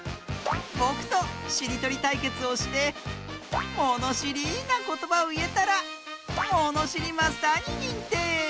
ぼくとしりとりたいけつをしてものしりなことばをいえたらもにしりマスターににんてい！